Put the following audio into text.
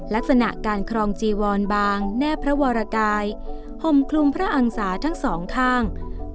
ลักษณะการครองจีวรบางแนบพระวรกายห่มคลุมพระอังษาทั้งสองข้าง